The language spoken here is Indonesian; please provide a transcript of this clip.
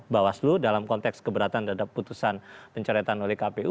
bawaslu dalam konteks keberatan terhadap putusan pencoretan oleh kpu